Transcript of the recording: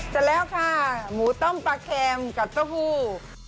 จะแล้วค่ะหมูต้มปลาเข็มกับตาหู้